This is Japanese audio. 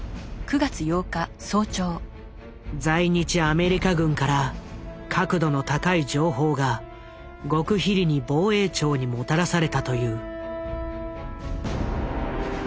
在日アメリカ軍から確度の高い情報が極秘裏に防衛庁にもたらされたという。